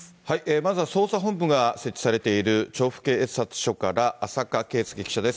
まずは捜査本部が設置されている、調布警察署から浅賀慧祐記者です。